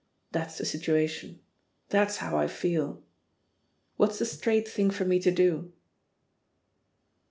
••• That's the situation; that's how I feell What's the straight thing for me to do?''